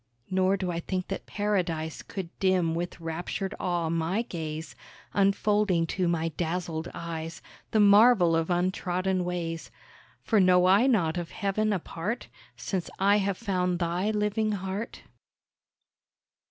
Nor do I think that Paradise Could dim with raptured awe my gaze, Unfolding to my dazzled eyes— The marvel of untrodden ways; For know I not of Heaven a part Since I have found thy living heart?